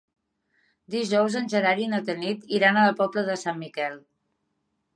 Dijous en Gerard i na Tanit iran a la Pobla de Sant Miquel.